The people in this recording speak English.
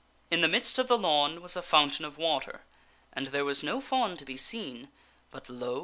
In the midst of the lawn was a fountain of water, and there was no fawn to be seen, but, lo